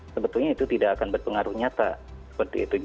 sebetulnya itu tidak akan berpengaruh nyata seperti itu